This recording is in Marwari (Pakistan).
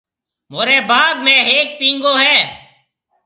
مهوريَ باگ ۾ هيَڪ پينگو هيَ۔